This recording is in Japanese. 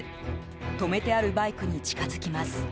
止めてあるバイクに近づきます。